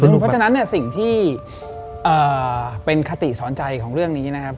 เพราะฉะนั้นเนี่ยสิ่งที่เป็นคติสอนใจของเรื่องนี้นะครับ